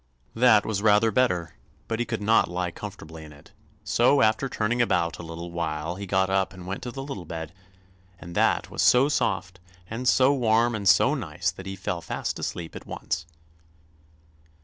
That was rather better, but he could not lie comfortably in it, so after turning about a little while he got up and went to the little bed; and that was so soft and so warm and so nice that he fell fast asleep at once.